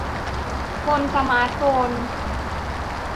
บนสมาร์ตโฟน